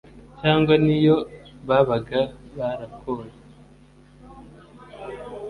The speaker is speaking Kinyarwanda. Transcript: cyangwa n'iyo babaga 'barakoye